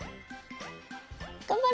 がんばれ。